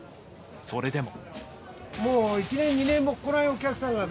それでも。